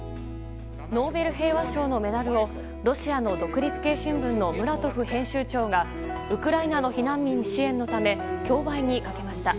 ノーベル平和賞のメダルをロシアの独立系新聞のムラトフ編集長がウクライナの避難民支援のため競売にかけました。